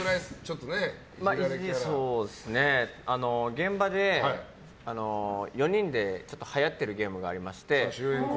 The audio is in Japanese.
現場で４人ではやってるゲームがありまして。